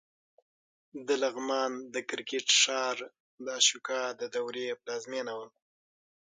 د لغمان د کرکټ ښار د اشوکا د دورې پلازمېنه وه